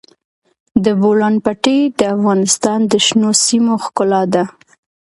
د بولان پټي د افغانستان د شنو سیمو ښکلا ده.